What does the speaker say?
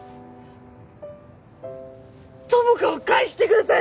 友果を返してください！